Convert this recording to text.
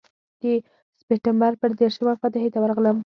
د سپټمبر پر دېرشمه فاتحې ته ورغلم.